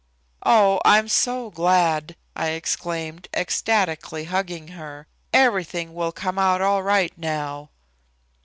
"Oh, I'm so glad!" I exclaimed, ecstatically hugging her. "Everything will come out all right now."